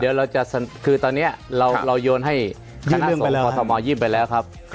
เดี๋ยวเราจะคือตอนนี้เราโยนให้คณะส่งคอทมยื่นไปแล้วครับ